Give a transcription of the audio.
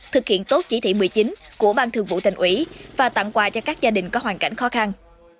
thực hiện tốt chỉ thị một mươi chín của ban thường vụ thành ủy và tặng quà cho các gia đình có hoàn cảnh khó khăn